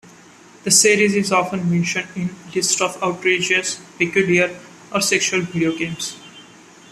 The series is often mentioned in lists of outrageous, peculiar or sexual video games.